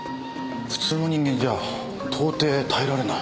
普通の人間じゃあ到底耐えられない。